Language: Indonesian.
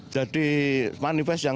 jadi manifest yang